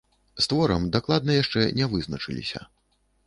З творам дакладна яшчэ не вызначыліся.